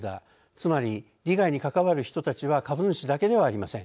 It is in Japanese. つまり利害に関わる人たちは株主だけではありません。